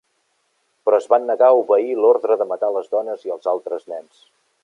Però es van negar a obeir l'ordre de matar les dones i els altres nens.